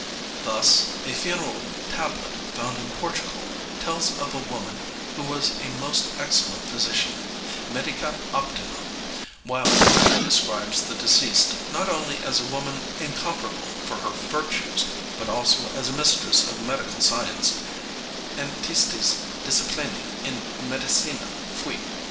Thus a funeral tablet found in Portugal tells of a woman who was a most excellent physician medica optima while another describes the deceased not only as a woman incomparable for her virtues, but also as a mistress of medical science, antistes disciplinæ in medicina fuit.